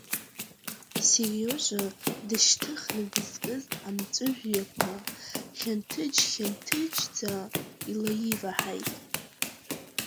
Сериожа дышьҭыхны дызкыз амҵәыжәҩақәа хьанҭыџьхьанҭыџьӡа илаиваҳаит.